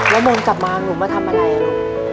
แล้วมนต์กลับมาหนูมาทำอะไรอะน่ะ